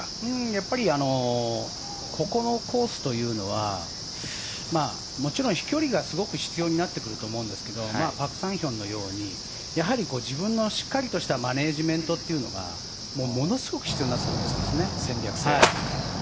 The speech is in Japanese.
やっぱりここのコースというのはもちろん飛距離がすごく必要になってくると思うんですけどパク・サンヒョンのように自分のしっかりとしたマネジメントというのが戦略性。